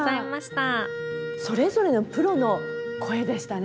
それぞれのプロの声でしたね。